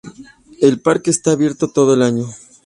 El parque está abierto todo el año.